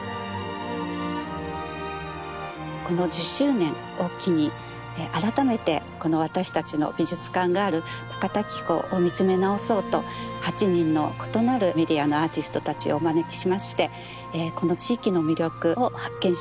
この１０周年を機に改めてこの私たちの美術館がある高滝湖を見つめ直そうと８人の異なるメディアのアーティストたちをお招きしましてこの地域の魅力を発見して頂こう